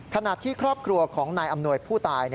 ขณะที่ครอบครัวของนายอำนวยผู้ตาย